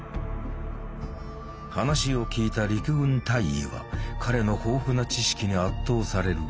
話を聞いた陸軍大尉は彼の豊富な知識に圧倒される。